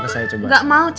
gak usah sayang